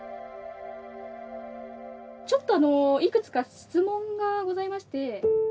ちょっとあのいくつか質問がございまして。